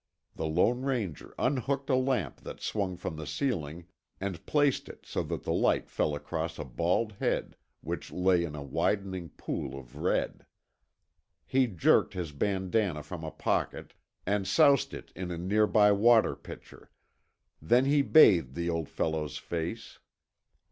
The Lone Ranger unhooked a lamp that swung from the ceiling and placed it so that the light fell across the bald head, which lay in a widening pool of red. He jerked his bandanna from a pocket and soused it in a near by water pitcher; then he bathed the old fellow's face.